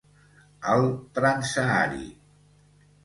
El Transsahari